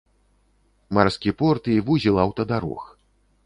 Марскі порт і вузел аўтадарог.